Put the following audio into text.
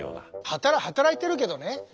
はたら働いてるけどね？